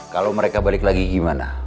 kalau mereka balik lagi gimana